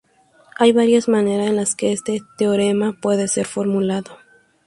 Hay varias maneras en las que este teorema puede ser formulado.